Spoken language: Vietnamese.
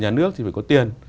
nhà nước thì phải có tiền